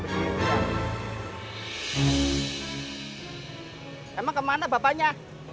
emang kemana bapaknya